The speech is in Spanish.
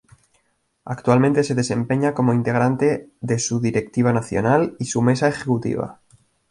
Actualmente se desempeña como integrante de su Directiva Nacional y su Mesa Ejecutiva.